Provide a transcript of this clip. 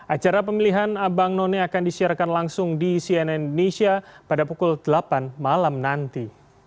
acara pemilihan abang none akan disiarkan langsung di cnn indonesia pada pukul delapan malam nanti